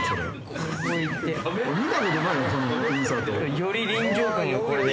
より臨場感がこれで。